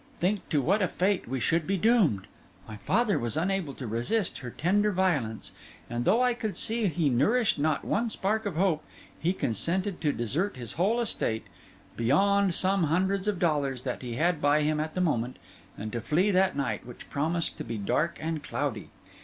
Think to what a fate we should be doomed!' My father was unable to resist her tender violence; and though I could see he nourished not one spark of hope, he consented to desert his whole estate, beyond some hundreds of dollars that he had by him at the moment, and to flee that night, which promised to be dark and cloudy.